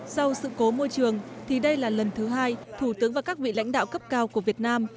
sau sự cố môi trường thì đây là lần thứ hai thủ tướng và các vị lãnh đạo cấp cao của việt nam